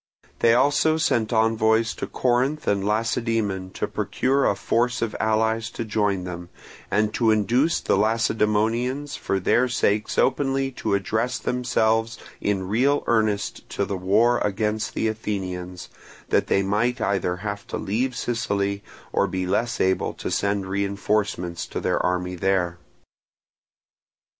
They also sent envoys to Corinth and Lacedaemon to procure a force of allies to join them, and to induce the Lacedaemonians for their sakes openly to address themselves in real earnest to the war against the Athenians, that they might either have to leave Sicily or be less able to send reinforcements to their army there.